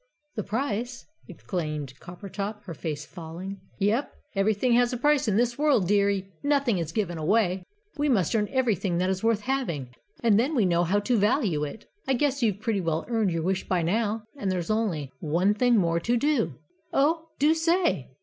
"The price!" exclaimed Coppertop, her face falling. "Yep! Everything has a price in this world, dearie! Nothing is given away. We must earn everything that is worth having, and then we know how to value it. I guess you've pretty well earned your wish by now, and there's only one thing more to do " "Oh, do say!"